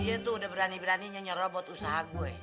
dia tuh udah berani berani nyerobot usaha gue